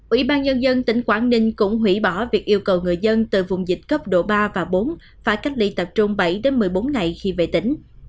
ủy ban nhân dân tỉnh quảng ninh cũng hủy bỏ việc yêu cầu người dân từ vùng dịch cấp độ ba và bốn phải cách ly tập trung bảy một mươi bốn ngày khi về tỉnh